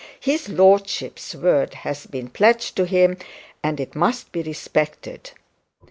'His lordship's word has been pledged to him, and it must be respected.'